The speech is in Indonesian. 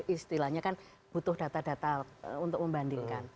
istilahnya kan butuh data data untuk membandingkan